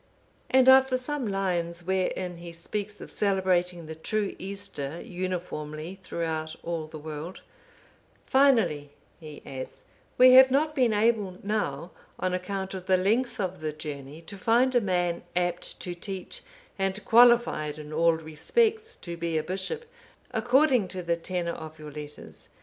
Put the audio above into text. And after some lines, wherein he speaks of celebrating the true Easter uniformly throughout all the world,— "Finally," he adds, "we have not been able now, on account of the length of the journey, to find a man, apt to teach, and qualified in all respects to be a bishop, according to the tenor of your letters.